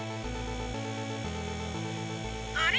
あれ？